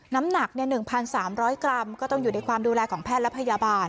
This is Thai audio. น้ำหนักเนี่ยหนึ่งพันสามร้อยกรัมก็ต้องอยู่ในความดูแลของแพทย์และพยาบาล